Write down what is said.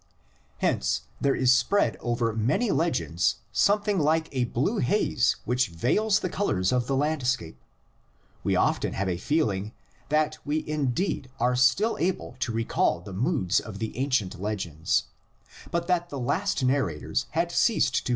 Hence there is spread over many legends some thing like a blue haze which veils the colors of the landscape: we often have a feeling that we indeed are still able to recall the moods of the ancient legends, but that the last narrators had ceased to 102 THE LEGENDS OF GENESIS.